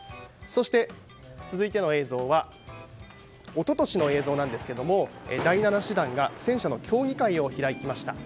そして、続いての映像は一昨年の映像なんですが第７師団が戦車の競技会を開きました。